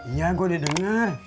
iya gue udah denger